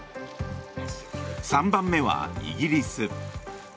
３番目はイギリス。